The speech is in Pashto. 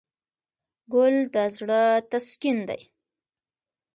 ګل د زړه تسکین دی.